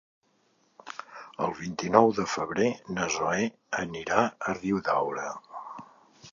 El vint-i-nou de febrer na Zoè anirà a Riudaura.